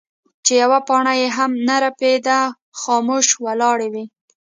چې يوه پاڼه يې هم نۀ رپيده خاموش ولاړې وې ـ